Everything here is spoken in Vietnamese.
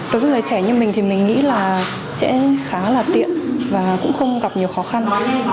đối với người trẻ như mình thì mình nghĩ là sẽ khá là tiện và cũng không gặp nhiều khó khăn